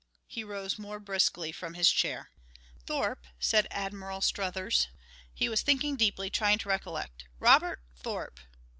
He rose more briskly from his chair. "Thorpe...." said Admiral Struthers. He was thinking deeply, trying to recollect. "Robert Thorpe....